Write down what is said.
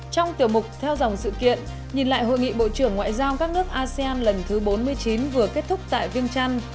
trong tiểu mục theo dòng sự kiện nhìn lại hội nghị bộ trưởng ngoại giao các nước asean lần thứ bốn mươi chín vừa kết thúc tại viêng trăn